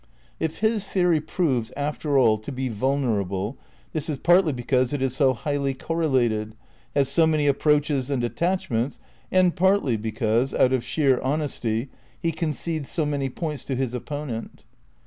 If his the ory proves, after all, to be vulnerable this is partly be cause it is so highly correlated, has so many approaches and attachments, and partly because, out of sheer hon esty, he concedes so many points to his opponent.